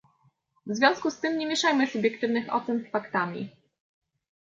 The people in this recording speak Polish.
W związku z tym nie mieszajmy subiektywnych ocen z faktami